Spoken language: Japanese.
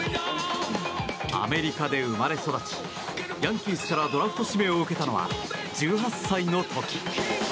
アメリカで生まれ育ちヤンキースからドラフト指名を受けたのは１８歳の時。